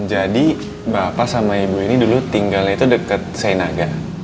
jadi bapak sama ibu ini dulu tinggal itu dekat sainaga